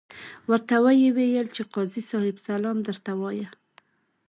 ورته ویې ویل چې قاضي صاحب سلام درته وایه.